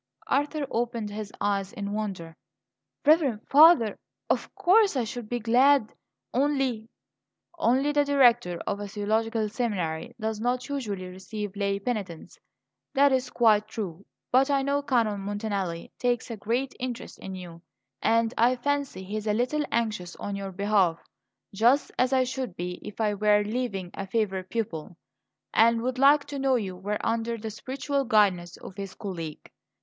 Arthur opened his eyes in wonder. "Reverend Father, of course I should be glad; only " "Only the Director of a theological seminary does not usually receive lay penitents? That is quite true. But I know Canon Montanelli takes a great interest in you, and I fancy he is a little anxious on your behalf just as I should be if I were leaving a favourite pupil and would like to know you were under the spiritual guidance of his colleague.